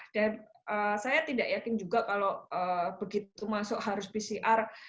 dan saya tidak yakin juga kalau begitu masuk harus pcr